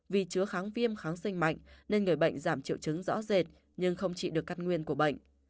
vì chứa kháng viêm kháng sinh mạnh nên người bệnh giảm triệu chứng rõ rệt nhưng không chịu được cắt nguyên của bệnh